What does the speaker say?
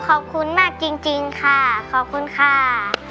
ขอบคุณมากจริงค่ะขอบคุณค่ะ